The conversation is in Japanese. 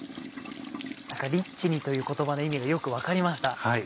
リッチにという言葉の意味がよく分かりました。